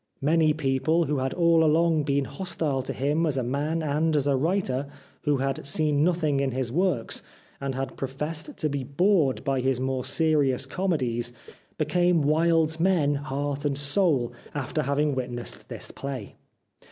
... Many people who had all along been hostile to him as a man and as a writer, who " had seen nothing in his works," and had professed to be bored by his more serious comedies, became Wilde's men heart and soul after having wdtnessed this play.